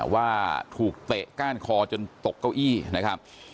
ว่าถูกเตะก้านคอจนตกเก้าอี้นะครับ